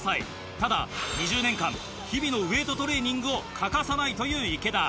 ただ２０年間日々のウエートトレーニングを欠かさないという池田。